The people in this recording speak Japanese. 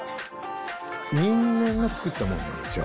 人間が作ったものなんですよ。